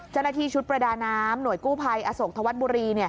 เจ้าหน้าที่ชุดประดาน้ำหน่วยกู้ภัยอโศกธวัฒน์บุรี